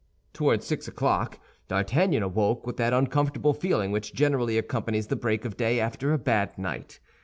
Toward six o'clock D'Artagnan awoke with that uncomfortable feeling which generally accompanies the break of day after a bad night.